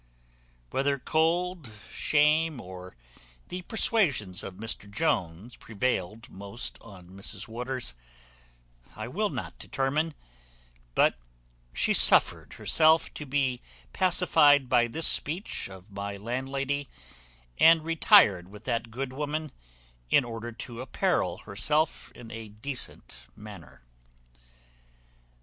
Whether cold, shame, or the persuasions of Mr Jones prevailed most on Mrs Waters, I will not determine, but she suffered herself to be pacified by this speech of my landlady, and retired with that good woman, in order to apparel herself in a decent manner.